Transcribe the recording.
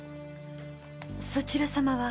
そちら様は？